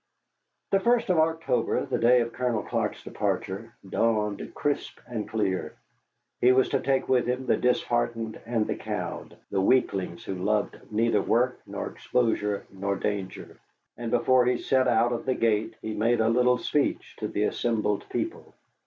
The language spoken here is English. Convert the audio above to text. The first of October, the day of Colonel Clark's departure, dawned crisp and clear. He was to take with him the disheartened and the cowed, the weaklings who loved neither work nor exposure nor danger. And before he set out of the gate he made a little speech to the assembled people.